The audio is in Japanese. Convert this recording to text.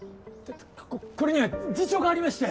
ここれには事情がありまして！